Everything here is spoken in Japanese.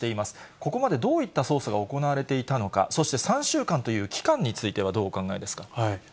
ここまでどういった捜査が行われていたのか、そして３週間という期間についてはどうお考えですか。